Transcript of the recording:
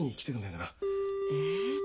え？